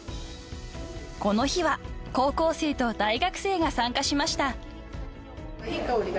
［この日は高校生と大学生が参加しました］